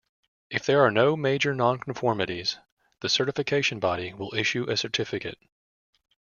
If there are no major nonconformities, the certification body will issue a certificate.